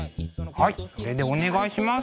はいこれでお願いします。